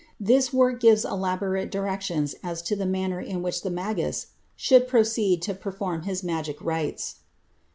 This work gives elaborate directions as to the manner in which the "Magus" should proceed to perform his magic rites.